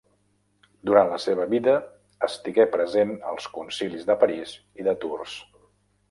Durant la seva vida, estigué present als Concilis de París i de Tours.